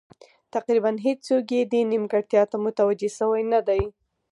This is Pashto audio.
تقریبا هېڅوک یې دې نیمګړتیا ته متوجه شوي نه دي.